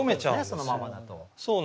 そのままだと。